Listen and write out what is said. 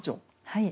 はい。